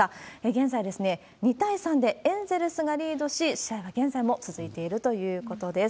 現在２対３でエンゼルスがリードし、試合は現在も続いているということです。